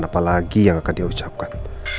apalagi yang akan dia ucapkan